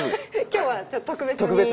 今日は特別に！